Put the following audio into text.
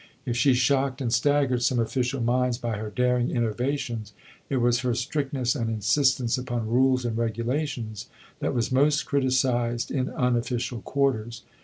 If she shocked and staggered some official minds by her daring innovations, it was her strictness and insistence upon rules and regulations that was most criticized in unofficial quarters.